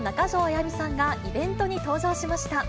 やみさんがイベントに登場しました。